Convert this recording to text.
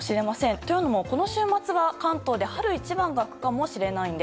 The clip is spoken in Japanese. というのも、この週末は関東で春一番が吹くかもしれません。